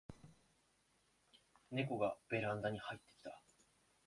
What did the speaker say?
ネコがベランダに入ってきた